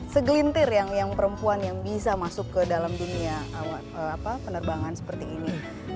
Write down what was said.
segelintir yang perempuan yang bisa masuk ke dalam dunia penerbangan seperti ini